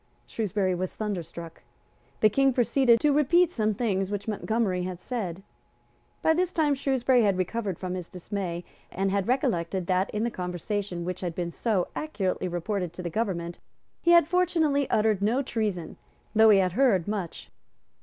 Shrewsbury was thunderstruck. The King proceeded to repeat some things which Montgomery had said. By this time Shrewsbury had recovered from his dismay, and had recollected that, in the conversation which had been so accurately reported to the government, he had fortunately uttered no treason, though he had heard much.